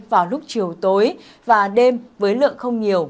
vào lúc chiều tối và đêm với lượng không nhiều